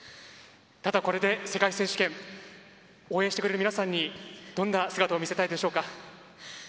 これで世界選手権応援してくれる皆さんにどんな姿を見せたいでしょうか。